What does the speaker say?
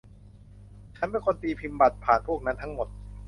ฉันเป็นคนตีพิมพ์บัตรผ่านพวกนั้นทั้งหมด